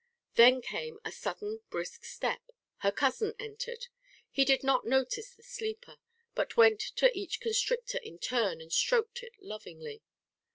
Then came a sudden brisk step; her cousin entered. He did not notice the sleeper, but went to each constrictor in turn and stroked it lovingly.